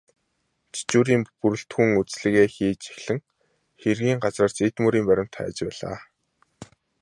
Жижүүрийн бүрэлдэхүүн үзлэгээ хийж эхлэн хэргийн газраас эд мөрийн баримт хайж байлаа.